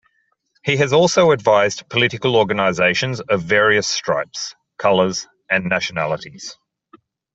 He has also advised political organisations of various stripes, colours and nationalities.